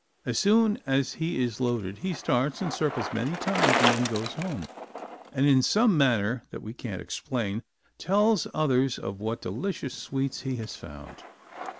As soon as he is loaded he starts and circles many times and then goes home, and in some manner that we can't explain, tells others of what delicious sweets he has found.